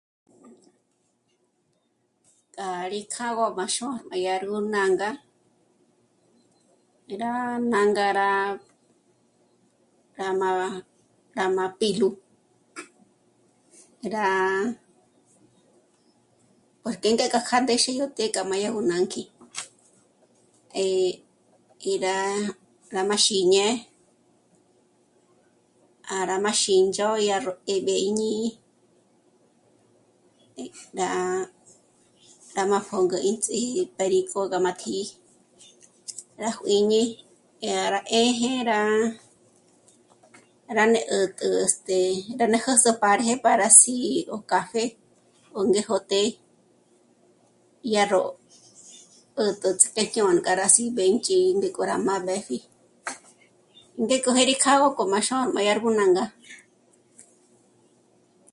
Kjâ'a rí kjâ'a gá ngó má xôra má dyár gú nânga, rá nânga rá má... rá má pîlu... rá... porque kjâ'a kja ndéxi yó të́'ë k'a má yú gú nânkji. Eh... y rá... rá má xíñe, à rá má xǐnch'o dyá ró 'éb'e í ñǐ'i... rá má pjôngü ínts'í'i pe rí k'ôga má tjǐ'i, rá juíñi, yá rá 'ë́jë, rá... rá nà 'ä̀t'ä este... rá nà jǜs'ü pa rí 'e rá sí'i ó café ó ngéjo té, yá ró 'ä̀t'ä ts'éjñônga rá ts'íbénch'i ngék'o ró má b'épji. Ngék'o jé rí kjârmá ó gá ngó rá xôra má dyár gú nânga